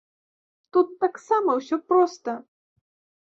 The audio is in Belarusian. Тут таксама ўсё проста.